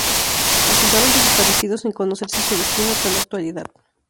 Resultaron desaparecidos sin conocerse su destino hasta la actualidad.